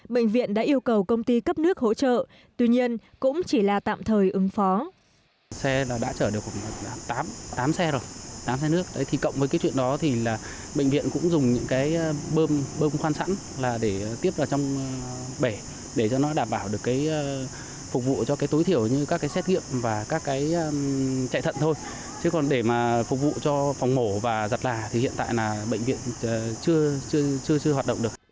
bệnh viện đã yêu cầu công ty cấp nước hỗ trợ tuy nhiên cũng chỉ là tạm thời ứng phó